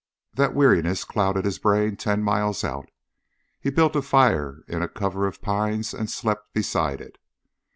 That weariness clouded his brain ten miles out. He built a fire in a cover of pines and slept beside it.